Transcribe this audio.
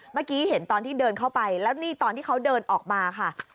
เมื่อกี้เห็นตอนที่เดินเข้าไปแล้วนี่ตอนที่เขาเดินออกมาค่ะ